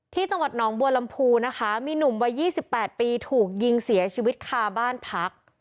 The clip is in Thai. ที่จังหวัดหนองบัวลำพูนะคะมีหนุ่มวัย๒๘ปีถูกยิงเสียชีวิตคาบ้านพัก